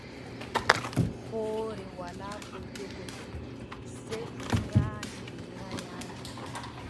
Hoore walaa ko jogotoo, sey ngaandi bee nganyaandi.